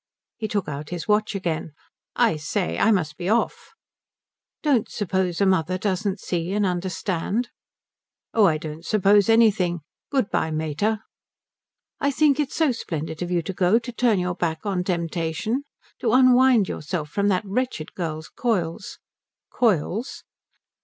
He took out his watch again. "I say, I must be off." "Don't suppose a mother doesn't see and understand." "Oh I don't suppose anything. Good bye mater." "I think it so splendid of you to go, to turn your back on temptation, to unwind yourself from that wretched girl's coils." "Coils?"